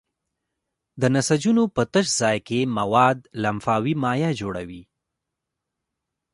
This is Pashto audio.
د نسجونو په تش ځای کې مواد لمفاوي مایع جوړوي.